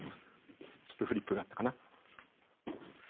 ちょっとフリップがあったかな。